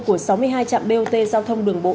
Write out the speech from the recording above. của sáu mươi hai trạm bot giao thông đường bộ